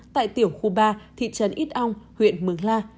tại tiểu khu ba thị trấn ít ong huyện mường la